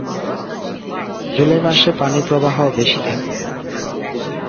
জুলাই মাসে পানি প্রবাহ বেশি থাকে।